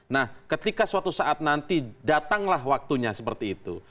nah ketika suatu saat nanti datanglah waktunya seperti itu